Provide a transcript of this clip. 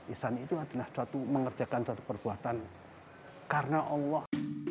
ihsan itu adalah suatu mengerjakan suatu perbuatan karena allah